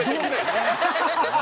ハハハハ！